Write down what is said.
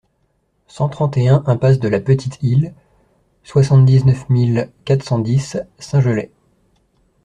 cent trente et un impasse de la Petite Isle, soixante-dix-neuf mille quatre cent dix Saint-Gelais